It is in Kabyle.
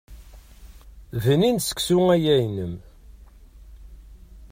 Bnin seksu-ya-inem.